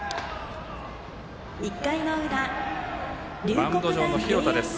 マウンド上の廣田です。